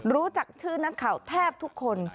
รู้จักชื่อนักข่าวแทบทุกคน